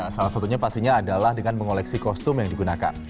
salah satunya pastinya adalah dengan mengoleksi kostum yang digunakan